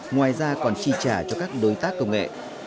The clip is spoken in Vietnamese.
ngoài ra còn chi trả cho các đối tác công nghệ